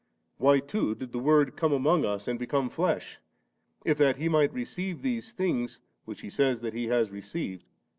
Why too did the Word come among us, and become flesh ? if that He might receive these things, which He says that He has received.